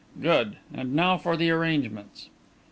"Good. And now for the arrangements."